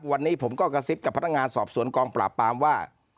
วันนี้ผมก็กระซิบกับพนักงานสอบสวนกองปราบปรามว่า